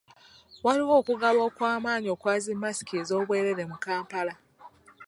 Waaliwo okugaba okw'amaanyi okwa zi masiki ez'obwereere mu kampala.